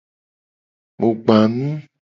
Mu gba nu.